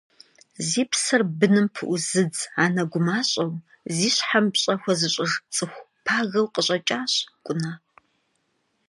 Зи псэр быным пыӏузыдз анэ гумащӏэу, зи щхьэм пщӏэ хуэзыщӏыж цӏыху пагэу къыщӏэкӏащ Кӏунэ.